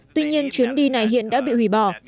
tuy nhiên chuyến đi này hiện đã bị hủy bỏ